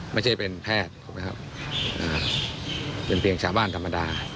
ไม่ใช่เป็นแพทย์ถูกไหมครับเป็นเพียงชาวบ้านธรรมดา